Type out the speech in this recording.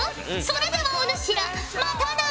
それではおぬしらまたな！